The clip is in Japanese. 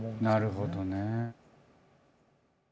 なるほどね。